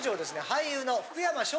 俳優の福山翔